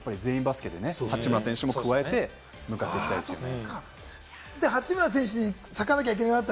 今回は全員バスケで八村選手も加えて、向かっていきたいですよね。